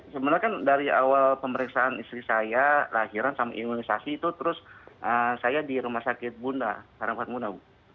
sebenarnya kan dari awal pemeriksaan istri saya lahiran sama imunisasi itu terus saya di rumah sakit bunda sarampat bunda